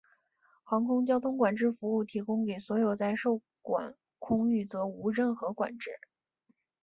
航空交通管制服务提供给所有在受管空域则无任何管制。